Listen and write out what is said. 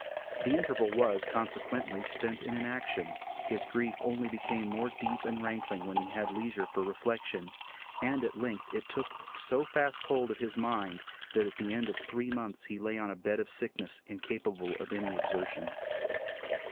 The interval was, consequently, spent in inaction; his grief only became more deep and rankling when he had leisure for reflection, and at length it took so fast hold of his mind that at the end of three months he lay on a bed of sickness, incapable of any exertion.